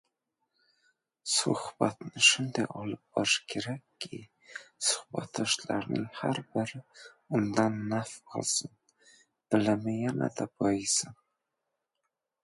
Suhbatni shunday olib borish kerakki, suhbatdoshlarning har biri undan naf olsin, bilimi yanada boyisin.